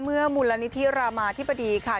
เมื่อมูลนิธิโรงบาลรามาธิบดีค่ะ